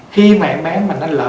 khi mà em bé mình nó lỡ